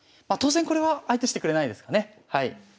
まあ当然これは相手してくれないですかね。